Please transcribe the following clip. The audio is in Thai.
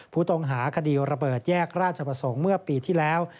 ผู้ต้องหาคดีระเบิดแยกราชประสงค์เมื่อปีที่แล้ว